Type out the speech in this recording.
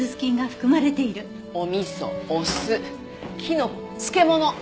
お味噌お酢キノコ漬物。